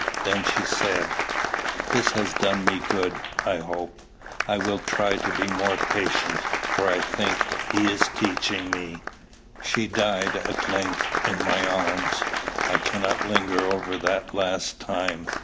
Then she said, "That has done me good, I hope. I will try to be more patient, for I think He is teaching me." She died, at length, in my arms. I cannot linger over that last time.